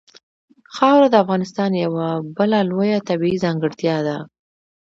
خاوره د افغانستان یوه بله لویه طبیعي ځانګړتیا ده.